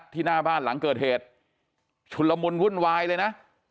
หน้าบ้านหลังเกิดเหตุชุนละมุนวุ่นวายเลยนะ